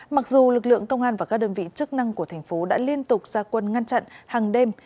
mặc dù lực lượng công an và các đơn vị chức năng của thành phố đã liên tục ra quân ngăn chặn hàng đêm